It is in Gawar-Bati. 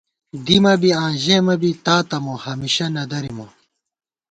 دِمہ بی آں ژېمہ بی، تاتہ مو، ہمیشہ نہ درِمہ